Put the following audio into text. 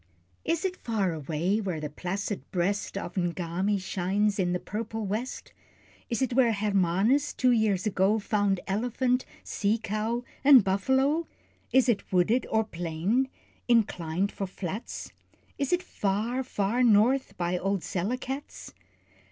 Is it far away where the placid breast Of N'Gami shines in "the purple west?" Is it where Hermanus two years ago, Found elephant, sea cow, and buffalo? Is it wooded or plain, inclined for flats? Is it far, far north by old Selekats?